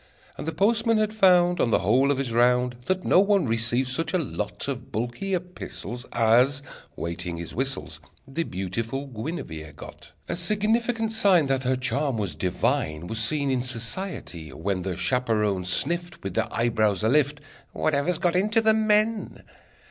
And the postman had found, On the whole of his round, That no one received such a lot Of bulky epistles As, waiting his whistles, The beautiful Guinevere got! A significant sign That her charm was divine Was seen in society, when The chaperons sniffed With their eyebrows alift: "Whatever's got into the men?"